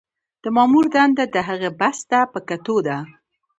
د مامور دنده د هغه بست ته په کتو ده.